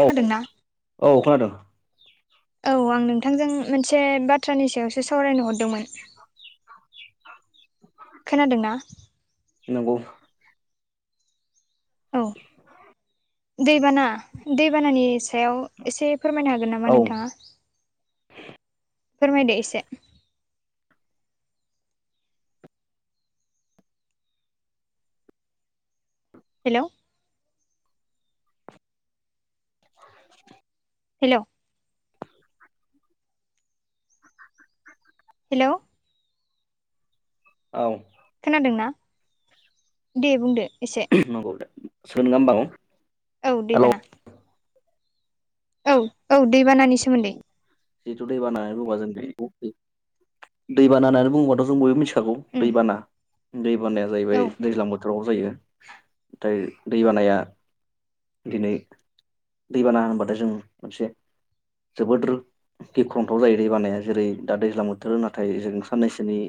औ खोनादोंना औ खोनादों। औ आं नोंथांजों मोनसे बाथ्रानि सायावसो सावरायनो हरदोंमोन। खोनादोंना? नोंगौ। औ। दैबाना-दैबानानि सायाव एसे फोरमायनो हा गोन नामा औ नोंथाङा? फोरमायदो एसे। हेल'! हेल'! हेलौ। औ। खोनादोंना दे बुंदो एसे। [unintelligible] औ हेलौ दैबाना। औ-औ दैबानानि सोमोन्दै। [unintelligible] खागौ उम दैबाना-दैबानाया औ जाहैबाय दैज्लां बोथोराव जायो। [unintelligible] दै बानाया दिनै दैबाना होनबाथाय जों मोनसे जोबोद गिख्रंथाव जायो दै बानाया जेरै दा दैज्लां बोथोर नाथाय जों साननैसोनि‌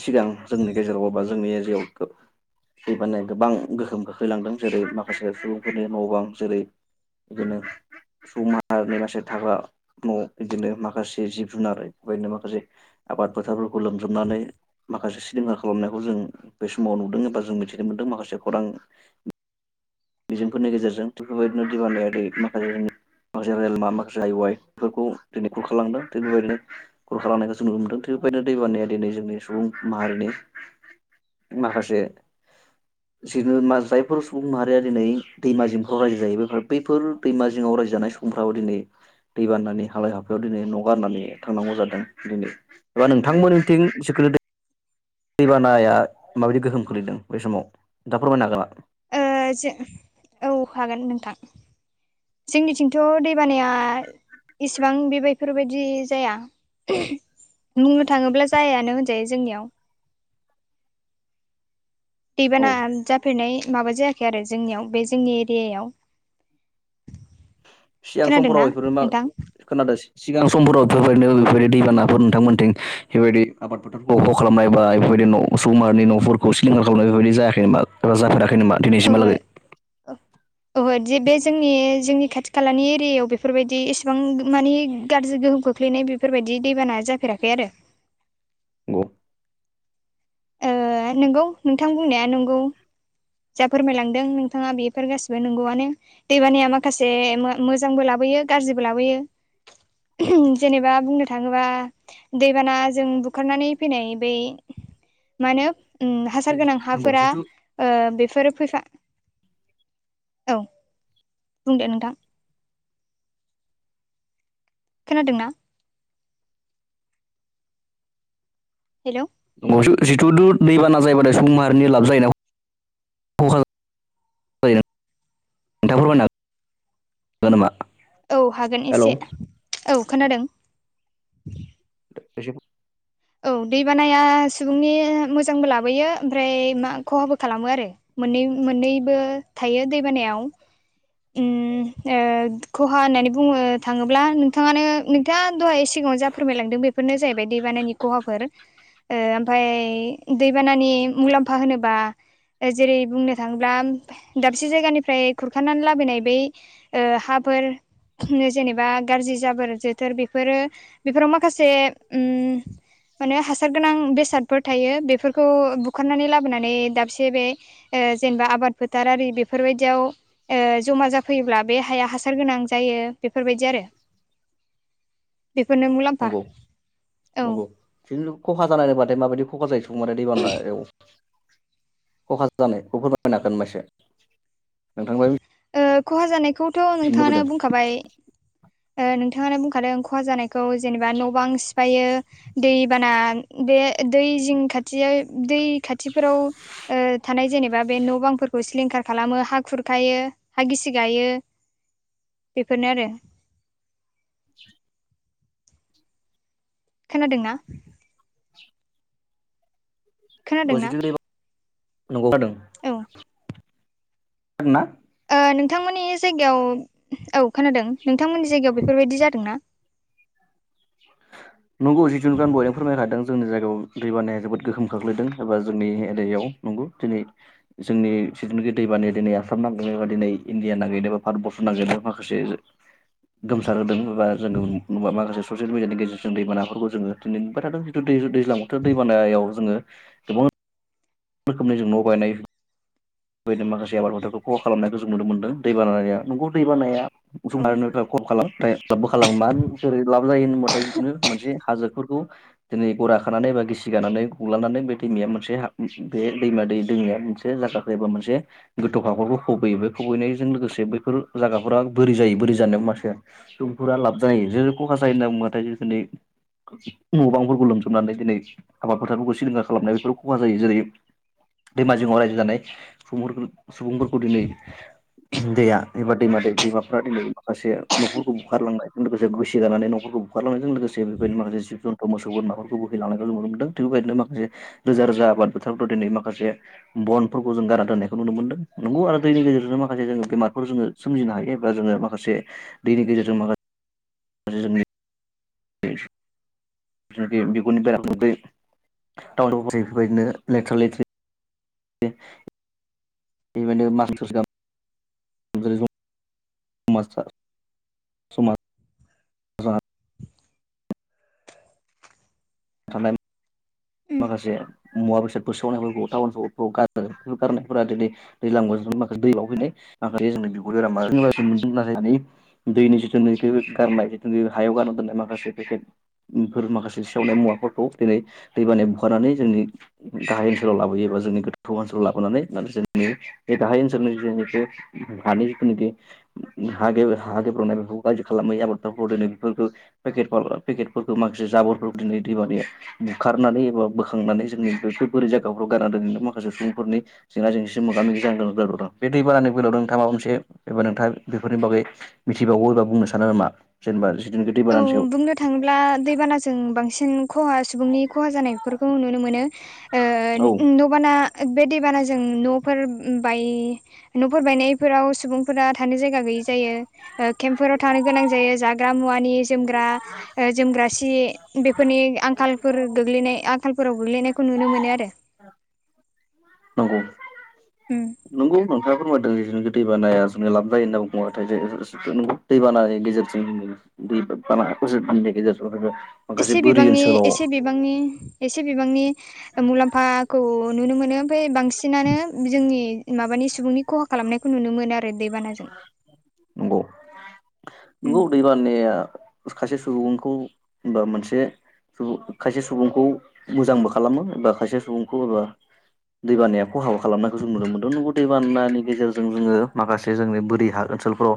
सिगां जोंनि गेजेराव बा बा जोंनि आइजि दै बानाया गोबां गोहोम खोख्लैलांदों जेरै माखासे सुबुंफोरनि न' बां जेरै बिदिनो सुबुंमाहारिनि मासे थाग्रा न' बिदिनो माखासे जिब जुनार बा बेदिनो माखासे आबाद फोथारफोरखौ लोमजोबनानै माखासे सिनेमा खालामनायखौ जों बे समाव नुदों एबा जों मिथिनो मोनदों माखासे खौरां बिजों फोरनि गेजेरजों थ' बेबायदिनो [unintelligible] माखासे जों माखासे रेलामा माखासे हाइ वाइफोरखौ दिनै खुरखालांदों थिग बेबायदिनो खुरखालांनायखौ जों नुनो मोन्दों थि बेबायदिनो दैबानाया दिनै जोंनि सुबुं माहारिनि माखासे [inaudible] जायफोर सुबुं माहारि दा दिनै दैमा जिंफ्राव रायजो जायो बे बैफोर दैमा जिङाव रायजो जानाय समफ्राव दिनै दै बानानि हालाय हाफायाव दिनै न' गारनानै थांनांगौ जादों दिनै एबा नोंथांमोन निथिं [inaudible] दैबानाया माबायदि गोहोम खोलैदों बै समाव नोथा फोरमायनो हागोन नामा? जे औ हागोन नोंथां जोंनिथिंथ' दैबानाया इसिबां बे बायफोरबायदि जाया बुंनो थाङोब्ला जायानो होनजायो जोंनियाव। औ दैबाना जाफेरनाय माबा जायाखै आरो। जोंनियाव बे जोंनि एरियायाव। सिगां खोनादोंना समफोराव बेफोरो मा नोंथां खोनादों सिगां समफोराव बेफोरबायदिनो बेफोरबायदि दैबानाफोर नोंथांमोनथिं बेफोरबायदि आबादफोर अख' खालामनाय बा बेफोरबायदि न' सुबुंमाहारिनि न'फोरखौ सिलिंखार खालामनाय बेबायदि जायाखै नामा एबा जाफेराखै नामा? औहो दिनैसिमहालागै ओ ओहोदि बे जोंनि जोंनि खाथि खालानि एरियायाव बेफोरबायदि एसेबां मानि गाज्रि गोहोम खोलैनाय बेफोरबायदि दैबाना जाफेराखै आरो। नंगौ ओ नोंगौ नोंथां बुंनाया नंगौ। जा फोरमायलांदों नोंथाङा बेफोर गासिबो नंगौआनो‌। दैबानाया माखासे मो मोजांबो लाबोयो गाज्रिबो लाबोयो। जेनेबा बुंनो थाङोबा दैबानाजों बुखारनानै फैनाय बै मानो उम हासार गोनां नंगौ हाफोरा जिथु ओ बेफोरो फैसा औ बुंदे नोंथां। खोनादोंना? हेलौ‌। [unintelligible] जिथु दु दैबाना जायोबाथाय सबुं माहारिनि लाब जायोना [unintelligible] नोंथां फोरमायनो हागोन नामा? औ हागोन हेलौ एसे औ खोनादों। [inaudible] औ दैबानाया सुबुंनि मोजांबो लाबोयो ओमफ्राय मा खहाबो खालामोआरो। मोननै मोननैबो थायो दैबानायाव उम ओ खहा होननानै बुंनो थाङोब्ला नोंथाङानो नोंथाङा दहाय सिगाङाव जा फोरमायलांदों बेफोरनो जाहैबाय दैबानानि खहाफोर ओमफ्राय दैबानानि मुलाम्फा होनोबा जेरै बुंनो थाङोब्ला दाबसे जायगानिफ्राय खुरखानानै लाबोनाय बै ओ हाफोर जेनेबा गाज्रि जाबोर जोथोर बेफोरो बेफोराव माखासे उम माने हासार गोनां बेसादफोर थायो बेफोरखौ बुखारनानै लाबोनानै दाबसे बे जेनेबा आबाद फोथारारि बेफोरबायदियाव जमा जाफैयोब्ला बे हाया हासार गोनां जायो बेफोरबायदि आरो। बेफोरनो मुलाम्फा औ बिदिनो खहा जानाय होनबाथाय माबायदि खाहा जायो [unintelligible] दैबानायाव खहा जानायखौ फोरमायनो हागोन नामा इसे नोंथांमोन ओ खहा जानायखौथ' नोंथाङानो बुंखाबाय। ओ नोंथाङानो बुंखादों खहा जानायखौ जेनेबा न' बां सिफायो दैबाना बे दै जिं खाथिया दै खाथिफोराव ओ थानाय जेनेबा बे न' बांफोरखौ सिलिंखार खालामो हा खुरखायो हा गिसि गायो बेफोरनो आरो। खोनादोंना? खोनादोंना [unintelligible] नंगौ [unintelligible] औ [unintelligible] ना ओ नोंथांमोननि जायगायाव औ खोनादों नोंथांमोननि जायगायाव बेफोरबायदि जादोंना? नंगौ जिथु नुबाय आं दहायनो फोरमायखादों जोंनि जायगायाव दै बानाया जोबोद गोहोम खोख्लैदों एबा जोंनि एरियाव। नंगौ दिनै जोंनि जिथुनोखि दैबानाया दिनै आसाम नाङैनो बा दिनै इण्डिया नाङैनो बा भारतबर्स नाङैनो माखासे गोमसार होदों बा जोङो ना माखासे [unintelligible] मिडियानि गेजेरजों दैमानाफोरखौ जोङो दिनै मोनबाय थादों जिथु दै दैज्लां बोथोर दैबानायाव जोङो गोबां रोखोमनि जों न' बायनाय बेैनो माखासे आबाद फोथारखौ खहा खालामनायखौ जों नुनो मोनदों दैबानाया नोंगौ दैबानाया उसुं औ आरो [unintelligible] खब खालाम। लाबबो खालामो मासोरै लाब जायो होनबाथाय जिथु मोनसे हाजोफोरखौ दिनै गरा खानानै एबा गिसि गानानै गुलांनानै बे दैमाया मोनसे हा बे दैमा दै दैमाया मोनसे जागाखो एबा मोनसे गोथौ थाखफोरखौ खबैयो बे खुबैनायजों लोगोसे बैफोर जागाफोरा बोरि जायो बोरि जानाय मासिया सुबुंफोरा लाब जायो जेरै खहा जायो होनना बुङोबाथाय [unintelligible] न' बांफोरखौ लोमजोबनानै दिनै आबाद फोथारफोरखौ सिलिंखा खालामनाय बेफोरखौ खहा जायो। जेरै दैमा जिङाव रायजो जानाय सुबुं सुबुंफोरखौ दिनै दैया एबा दैमा दै दैमाफ्रा दिनै माखासे न'खरखौ बुखारलांनाय लोगोसे गोसि गानानै न'खरखौ बुखारलांनायजों लोगोसे बेबायदिनो माखासे जिब जन्थ मोसौ बोरमाफोरखौ बोहैलांनायखौ नुनो मोनदों थिग बेबायदिनो माखासे रोजा रोजा आबाद बोथोरफोराव दिनै माखासे बनफोरखौ जों गारना दोननायखौ नुनो मोनदों नंगौ आरो दैनि गेजेरजों माखासे जोङो बेमारफोर जोङो सोमजिनो हायो एबा जोङो माखासे दैनि गेजेरजों माखासे जोंनि [unintelligible] बियो बिगुरनि बेरामखौ बै टाउन [unintelligible] बेफोरबायदिनो लेथ्रा लेथ्रि [unintelligible] [unintelligible] [unintelligible] मास्टार राद [unintelligible] उम माखासे मुवा बेसादफोर सावनायफोरखौ टाउन सहरखौ गारो बेफोर गारनायफोरा दिनै दैलां बोथोराव माखासे दै बाव फैनाय माखासे जोंनि बिगुर बेराम मोनदों [unintelligible] दैनि जिथुनाखि गारनाय जितुनु हायाव गारना दोननाय माखासे पेकेथ' उमफोर माखासे सेवनाय मुवाफोरखौ दिनै दैबानाय बुखारनानै जोंनि गाहाय ओनसोलाव लाबोयोबा जोंनि गोथौ ओनसोलाव लाबोनानै जोंनि बे गाहाय ओनसोलनि जिनिखि हानि जिखुनु बि हा गेब् गोेब्रनाय बेफोरखौ गाज्रि खालामै [unintelligible] दोनो बेफोरखो पेकेटफल पेकेटफोरखौ माखासे जाबरफोर दिनै दैबानि खारनानै एबा बोखांनानै जोंनि बेफोर बोरै जायगाफ्राव गारना दोनैनो माखासे सुबुंफोरनि जेंना जेंसि मोगा मोगि जानांगोन दं बे दै बानानि बेलायाव नोंथा माबा मोनसे एबा नोंथा बेफोरनि बागै मिथिबावगौ एबा बुंनो सानो नामा जेनेबा जिदुनिखि औ दैबानानि सायाव? बुंनो थाङोब्ला दैबानाजों बांसिन खहा सुबुंनि खहा जानायफोरखौ नुनो मोनो। ओ औ न' बाना बे दैबानाजों न'फोर बाय न'फोर बायनायफोराव सुबुंफोरा थानो जायगा गैयि जायो‌। ओ केम्पफोराव थांनो गोनां जायो जाग्रा मुवा नि जोमग्रा ओ जोमग्रा सि बेफोरनि आंखालफोर गोग्लैनाय आंखालफोराव गोग्लैनायखौ नुनो मोनो आरो‌। नंगौ उम नंगौ नोंथाङा फोरमायदों जि दै बानायनाया जों लाब जायो होनना [unintelligible] नोंगौ दैबानानि गेजेरजों दै बानाफोरजों गेजेरजों नोङो एसे माखासे बोरि बिबांनि ओनसोलाव एसे बिबांनि एसे बिबांनि ओ मुलाम्फाखौ नुनो मोनो ओमफाय बांसिनानो जोंनि माबानि सुबुंनि खहा खालामनायखौ नुनो मोनात नंगौ नंगौ दैब बानाया खासे सुबुंखौ होनबा मोनसे खायसे सुबुंखौ मोजांबो खालामो एबा खायसे सुबुंखौ एबा दैबानाया खहाबो खालामनायखौ जों नुनो मोनदों नोंगौ दैबानानि गेजेरजों जोङो माखासे जे जोंनि बोरि हा ओनसोलफोराव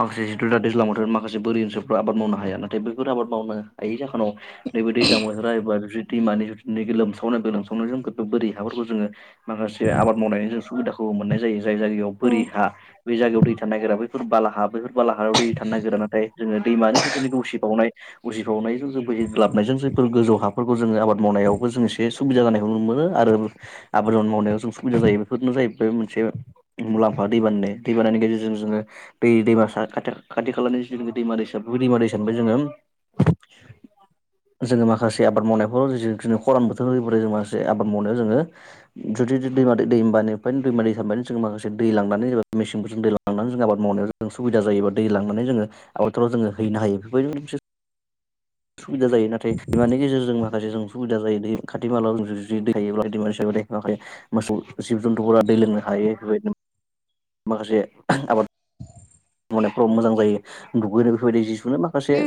माखासे जिथु दा दैज्लांबोथोर माखासे बोरि ओनसोलफोराव आबाद मावनो हाया नाथाय बैफोर आबाद मावनो हायि जाहोनाव नैबे दैज्ला बोथोरा एबा जुदि दैमानि जदि लोमसावनाय बे लोमसावनाय जों [unintelligible] बोरि हाफोरखौ जोङो माखासे आबाद मावनायनि जों सुबिदाखौ मोननाय जायो जाय जायगायाव औ बोरि हा बे जायगायाव दै थानो नागिरा बैफोर बालाहा बैफोर बालाहारायाव दै थानो नागिरा नाथाय जोङो दैमानि जितु उसिफावनाय उजिफावनायजों जों बोहैग्लाबनायजों जायफोर गोजौ हाफोरखौ जोङो आबाद मावनायावबो जों एसे सु सुबिदा जानायखौ नुनो मोनो आरो। आबाद मावनायाव जों सुबिदा जायो बेफोरनो जाहैबाय मोनसे मुलाम्फा दै बाननाय दैबाननि गेजेरजों जोङो बे दैमा सा खा खाथि खालानि जिथुनिखि दैमा दैसा बे दैमा दैसानिफ्राय जोङो [unintelligible] जोङो माखासे आबाद मावनायफोराव जिखिनु खरान बोथोर [unintelligible] माखासे आबाद मावनायाव जोङो जुदि दै दैमा दैमानिफ्राय दैमा दैसानिफ्राय जोङो माखासे दै लांनानै जेनबा मेसिनफोरजों दै लांनानै जों आबाद मावनायाव जों सुबिदा जायोबा दै लांनानै जोङो आबाटाराव जोङो हैनो हायो बेफोरबायदिनो मोनसे सुबिदा जायो नाथाय बिमानि गेजेरजों माखासे जों सुबिदा जायो दै खाथि खालायाव जुदि दै थायोब्ला [unintelligible] मोसौ जिब जन्थुफोरा दै लोंनो हायो बेबायदिनो माखासे आबाद मावनायफ्राव मोजां जायो दुगैनो बेफोरबायदि जि सु बिदिनो माखासे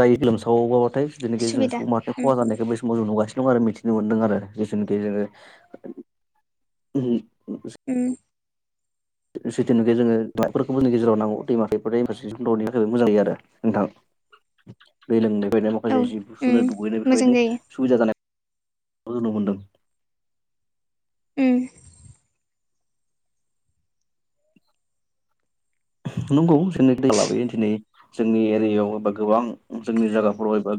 जायो गोलोमसावोबाबाथाय जेथुनाखि जों सुबिदा [unintelligible] उम खहा जानायखौ [unintelligible] जों नुगासिनो दं आरो मिथिनो मोनदों आरो जिथुनिखि जोङो उम। [unintelligible] नोंथां, दै लोमनायफ्रायनो माखासे जि बुस्थु [unintelligible] औ दुगैनाय उम बेफोरबायदि मोजां सुबिदा जायो जानाय नुनो मोनदों। उम नंगौ जोंनो [unintelligible] लाबोयो दिनै जोंनि एरियायाव एबा गोबां जोंनि जायगाफोराव एबा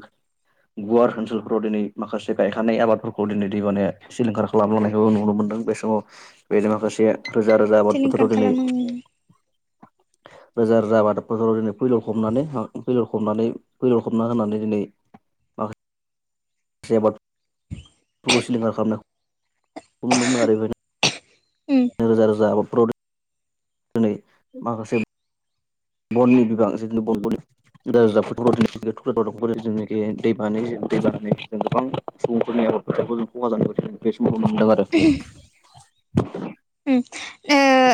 गुवार ओनसोलफोराव दिनै माखासे गायखानाय आबादफोरखौ दिनै दैबाना सिलिंखार खालामलांनायखौबो नुनो मोनदों बे समाव बेनो माखासे रोजा रोजा आबाद सिलिंखार फोथाराव दिनै खालामो उम [inaudible] रोजा रोजा आबादाब फोथाव दिनै फैलर खबनानै फैलर खबनानै फैलर खबना होनानै दिनै [unintelligible] आबादफोरखौ सिलिंखार खालामनायखौ नुनो मोनो आरो [unintelligible] [unintelligible] दिनै माखासे बननि बिबां जिखिनि बन [unintelligible] [unintelligible] सुबुंफोरनि आबाद फोथारखौ जों खहा जानाय बे समखौनो मोनदों आरो।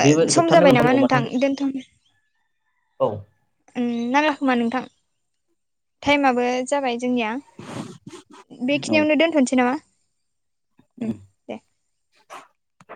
बेबो सम जोबथारनाय जाबाय नामा नोंथां? दोनथ' औ नांला खोमा नोंथां टाइमाबो जाबाय जोंनिया। बेखिनियावनो दोनथ'नोसै नामा? उम दे [unintelligible]